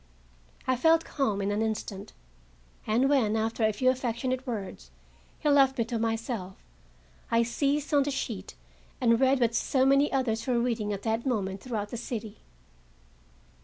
I felt calmed in an instant, and when, after a few affectionate words, he left me to myself, I seized on the sheet and read what so many others were reading at that moment throughout the city.